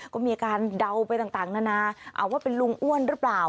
ก็มีอาการเดาไปต่างนานาว่าเป็นลุงอ้วนหรือเปล่า